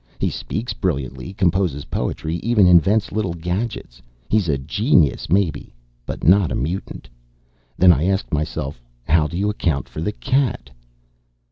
He speaks brilliantly, composes poetry, even invents little gadgets. He's a genius, maybe, but not a mutant.' Then I asked myself, 'how do you account for the cat?'"